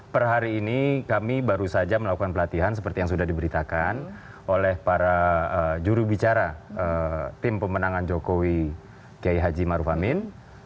per hari ini kami baru saja melakukan pelatihan seperti yang sudah diberitakan oleh para jurubicara tim pemenangan jokowi kiai haji maruf amin